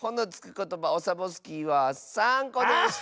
ことばオサボスキーは３こでした！